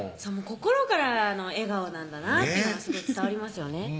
心からの笑顔なんだなっていうのがすごい伝わりますよね